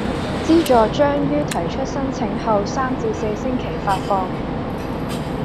資助將於提出申請後三至四星期發放